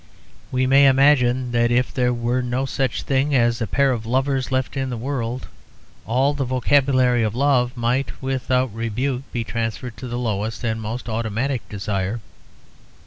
We may imagine that if there were no such thing as a pair of lovers left in the world, all the vocabulary of love might without rebuke be transferred to the lowest and most automatic desire.